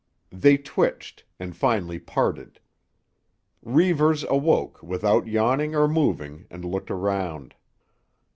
They twitched and finally parted. Reivers awoke without yawning or moving and looked around.